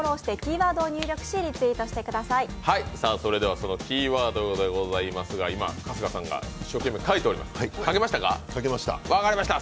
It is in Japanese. それでは、そのキーワードでございますが、今、春日さんが書いております。